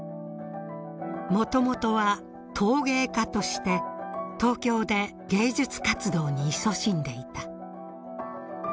もともとは陶芸家として東京で芸術活動にいそしんでいた。